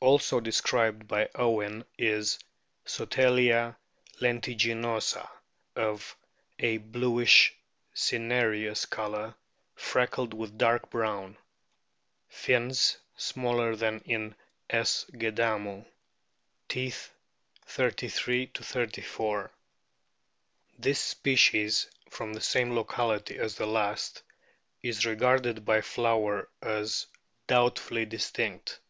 Also described by Owen is Sotalia tentiginosa, of a bluish cinereous colour, freckled with dark brown. Fins smaller than in S. gadamu. Teeth, 33 34. This species, from the same locality as the last, is regarded by Flower as doubtfully distinct.